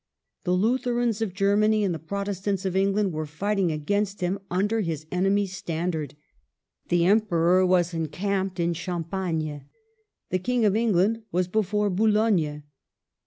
The Lutherans of Germany and the Protes tants of England were fighting against him under his enemy's standard. The Emperor was encamped in Champagne. The King of England was before Boulogne.